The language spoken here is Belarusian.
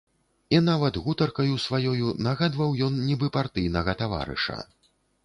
І нават гутаркаю сваёю нагадваў ён нібы партыйнага таварыша.